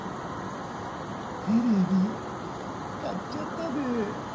テレビ買っちゃったでえ。